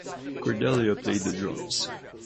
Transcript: Cordelia played the drums.